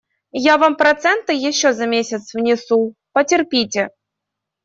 Я вам проценты еще за месяц внесу; потерпите.